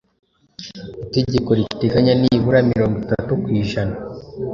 Itegeko riteganya nibura mirongo itatu ku ijana